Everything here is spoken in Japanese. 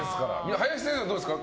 林先生はどうですか？